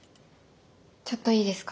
ちょっといいですか？